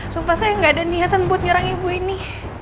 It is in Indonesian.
supaya saya gak ada niatan buat nyerang ibu ini